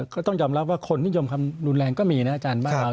ก็ต้องยอมรับว่าคนนิยมความรุนแรงก็มีนะอาจารย์บ้านเรา